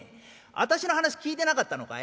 私の話聞いてなかったのかえ？